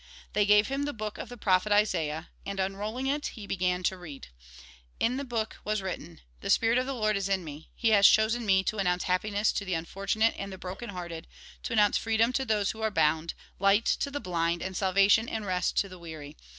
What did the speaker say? They gave him the book of the prophet Isaiah, and, unrolling it, he began to read. In the book was written :" The spirit of the Lord is in me. He has chosen me to announce happiness to the unfortunate and Jn. i. 43. 14. Lk. iv. 16. THE SON OF GOD 29 Lk. iv , 19. 20. the broken hearted, to announce freedom to those who are bound, light to the blind, and salvation and rest to the weary.